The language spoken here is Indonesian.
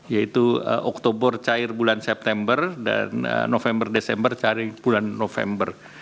yaitu oktober cair bulan september dan november desember cair bulan november